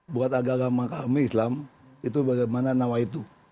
buat agama agama kami islam itu bagaimana nawaitu